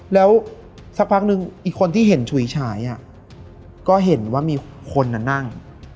แล้วสักพักนึงอีกคนที่เห็นฉุยฉายก็เห็นว่ามีคนนั่ง